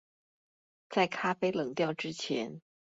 在咖啡冷掉之前